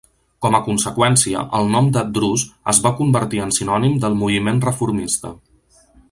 Com a conseqüència, el nom de "Druze" es va convertir en sinònim del moviment reformista.